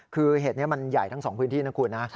คือเหตุนี้มันใหญ่ทั้งสองพื้นที่นะคุณนะ